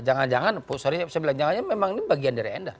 jangan jangan sorry saya bilang jangan memang ini bagian dari anda